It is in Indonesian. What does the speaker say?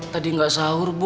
tadi tidak sahur bu